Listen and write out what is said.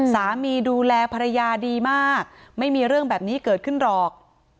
สามีดูแลภรรยาดีมากไม่มีเรื่องแบบนี้เกิดขึ้นหรอก